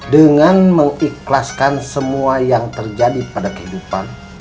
dengan mengikhlaskan semua yang terjadi pada kehidupan